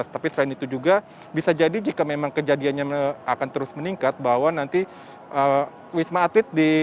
tapi selain itu juga bisa jadi jika memang kejadiannya akan terus meningkat bahwa nanti wisma atlet